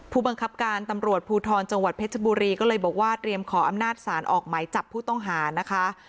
ผู้บังคับการตำรวจภูทรจังหวัดเพชรบุรีก็เลยบอกว่าเตรียมขออำนาจศาลออกหมายจับผู้ต้องหานะคะ